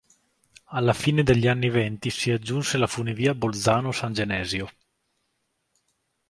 Alla fine degli anni venti si aggiunse la funivia Bolzano-San Genesio.